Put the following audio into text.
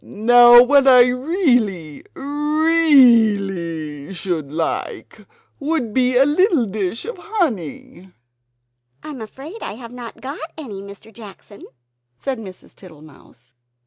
Now what I really REALLY should like would be a little dish of honey!" "I am afraid I have not got any, Mr. Jackson!" said Mrs. Tittlemouse.